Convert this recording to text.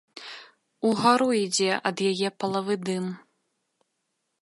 Угару ідзе ад яе палавы дым.